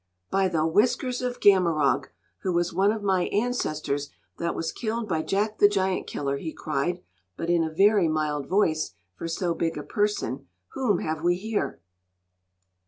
"By the whiskers of Gammarog who was one of my ancestors that was killed by Jack the Giant Killer!" he cried, but in a very mild voice for so big a person. "Whom have we here?"